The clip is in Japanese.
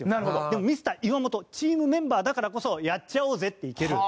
でもミスター岩本チームメンバーだからこそやっちゃおうぜっていける。